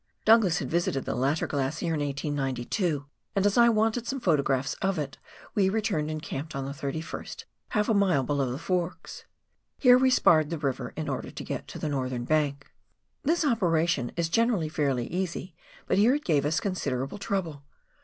Douglas had visited the latter glacier in 1892, and as I wanted some photo graphs of it, we returned and camped on the 31st half a mile below the forks. Here we " sparred " the river, in order to get to the northern bank. This operation is generally fairly easy, but here it gave us considerable trouble.